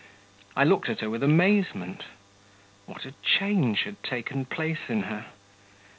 I looked at her with amazement ... what a change had taken place in her!